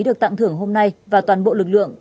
được tặng thưởng hôm nay và toàn bộ lực lượng